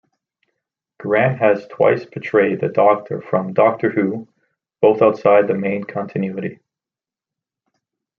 Grant has twice portrayed the Doctor from "Doctor Who", both outside the main continuity.